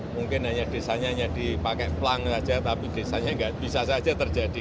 mungkin hanya desanya hanya dipakai pelang saja tapi desanya nggak bisa saja terjadi